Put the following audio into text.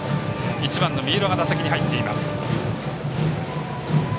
１番の三浦が打席に入っています。